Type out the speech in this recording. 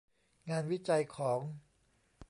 งานวิจัยของ